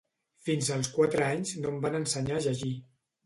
Fins als quatre anys no em van ensenyar a llegir.